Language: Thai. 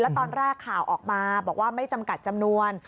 ตอนแรกข่าวออกมาบอกว่าไม่จำกัดจำนวน